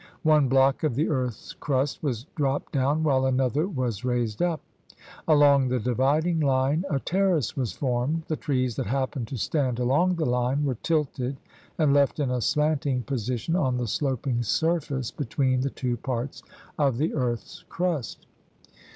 One block of the earth's crust was dropped down while another was raised up. Along the dividing line a terrace was formed. The trees that happened to stand along the line were tilted and left in a slanting position on the sloping surface between the two parts of the earth's crust.